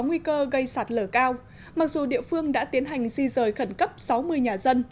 nguy cơ gây sạt lở cao mặc dù địa phương đã tiến hành di rời khẩn cấp sáu mươi nhà dân